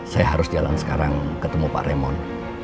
saya harus jalan sekarang ketemu pak remon